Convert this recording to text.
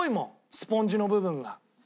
スポンジの部分が。